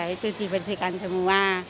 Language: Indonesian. itu dibersihkan semua